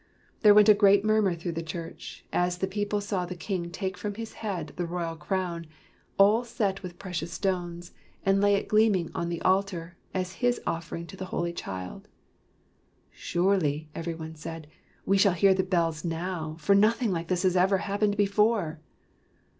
There went a great murmur through the church, as the people saw the king take from his head the royal crown, all set with precious stones, and lay it gleaming on the altar, as his offering to the holy Child. " Surely,". every one said, " we shall hear the bells now, for nothing like this has ever happened before."